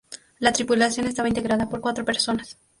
La tripulación estaba integrada por cuatro personas.